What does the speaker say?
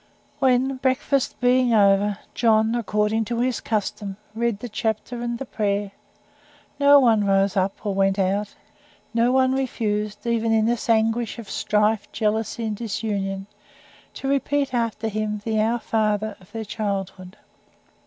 When, breakfast being over, John according to his custom read the chapter and the prayer no one rose up or went out; no one refused, even in this anguish of strife, jealousy, and disunion to repeat after him the "Our Father" of their childhood.